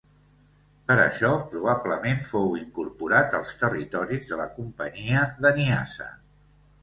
Per això probablement fou incorporat als territoris de la Companyia de Niassa.